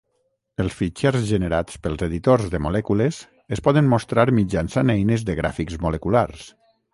Els fitxers generats pels editors de molècules es poden mostrar mitjançant eines de gràfics moleculars.